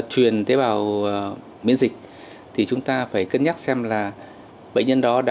thì chúng ta phải cân nhắc xem là bệnh nhân đó đã